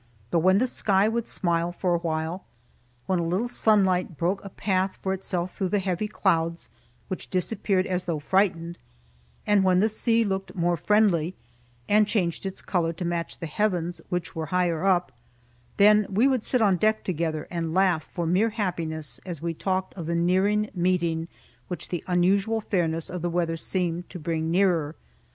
But when the sky would smile for awhile when a little sunlight broke a path for itself through the heavy clouds, which disappeared as though frightened; and when the sea looked more friendly, and changed its color to match the heavens, which were higher up then we would sit on deck together, and laugh for mere happiness as we talked of the nearing meeting, which the unusual fairness of the weather seemed to bring nearer.